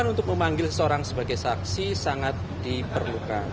untuk memanggil seseorang sebagai saksi sangat diperlukan